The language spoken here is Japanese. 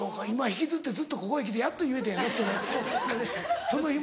今引きずってずっとここへ来てやっと言えたんやろそれ。